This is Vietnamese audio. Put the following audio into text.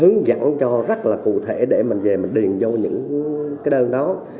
hướng dẫn cho rất là cụ thể để mình về mình điền vô những cái đơn đó